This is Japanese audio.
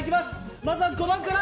まずは５番から。